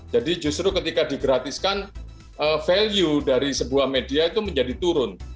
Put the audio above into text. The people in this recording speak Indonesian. jadi justru ketika digratiskan value dari sebuah media itu menjadi turun